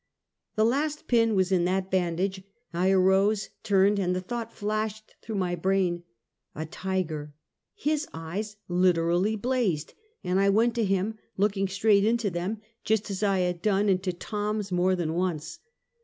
The last pin was in that bandage; I arose, turned, and the thought flashed through my brain, " a tiger." His eyes literally blazed, and I went to him, looking straight into them, just as I had done into Tom's more than once.